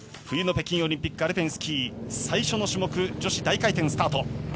冬の北京オリンピックアルペンスキー最初の種目、女子大回転スタート。